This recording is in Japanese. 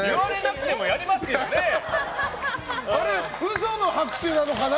嘘の拍手なのかな？